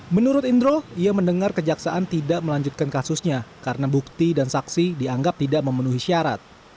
menurut indro ia mendengar kejaksaan tidak melanjutkan kasusnya karena bukti dan saksi dianggap tidak memenuhi syarat